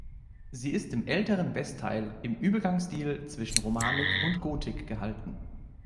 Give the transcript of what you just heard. Sie ist im älteren Westteil im Übergangsstil zwischen Romanik und Gotik gehalten.